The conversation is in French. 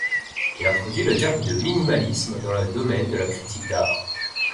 Il introduit le terme de minimalisme dans le domaine de la critique d'art.